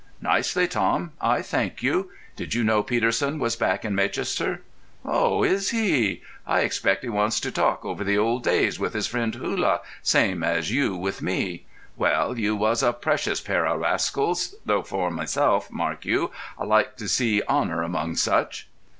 "Nicely, Tom, I thank you.... Did you know Peterson was back in Maychester?" "Ho, is he? I expect he wants to talk over the old days with his friend Hullah, same as you with me. Well, you was a precious pair o' rascals—though for myself, mark you, I like to see honour among such."